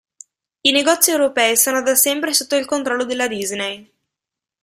I negozi europei sono da sempre sotto il controllo della Disney.